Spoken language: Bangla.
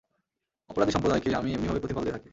অপরাধী সম্প্রদায়কে আমি এমনিভাবে প্রতিফল দিয়ে থাকি।